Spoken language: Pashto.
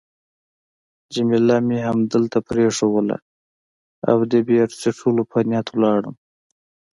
جميله مې همدلته پرېښووله او د بیر څښلو په نیت ولاړم.